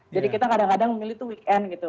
jadi kita kadang kadang memilih itu weekend gitu